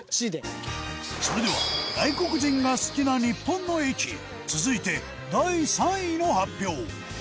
それでは外国人が好きな日本の駅続いて、第３位の発表